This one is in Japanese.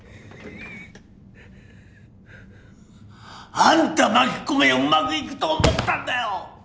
あんた巻き込めばうまくいくと思ったんだよ！